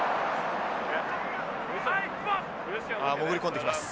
ああ潜り込んでいきます。